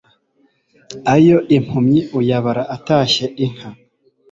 Ayo impumyi uyabara itashye inka.